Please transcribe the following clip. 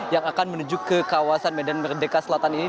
yang akan menuju ke kawasan medan merdeka selatan ini